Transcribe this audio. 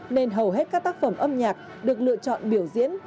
nên hầu hết các tác phẩm âm nhạc được lựa chọn biểu diễn